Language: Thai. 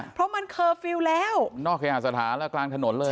เพราะมันเคอร์ฟิลล์แล้วนอกเคหาสถานแล้วกลางถนนเลย